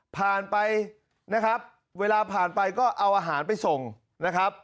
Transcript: ผ่านไปนะครับเวลาผ่านไปก็เอาอาหารไปส่งนะครับ